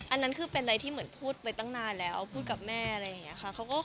อันนั้นคือเป็นอะไรที่เหมือนพูดไปตั้งนานแล้วพูดกับแม่อะไรอย่างนี้ค่ะ